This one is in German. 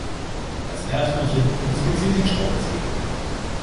Das Erdhörnchen inspiziert den Schraubenzieher.